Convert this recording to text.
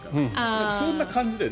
そんな感じだね。